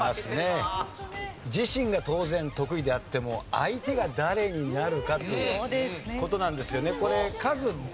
自身が当然得意であっても相手が誰になるかという事なんですよね。